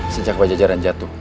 sejak wajah jaran jatuh